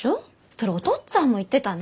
それお父っつぁんも言ってたね！